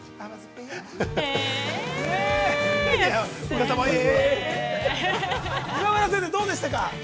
◆今村先生、どうでしたか。